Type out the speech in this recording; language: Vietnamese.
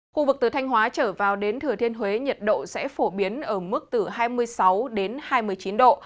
khu vực từ thanh hóa trở vào đến thừa thiên huế nhiệt độ sẽ phổ biến ở mức từ hai mươi sáu đến hai mươi chín độ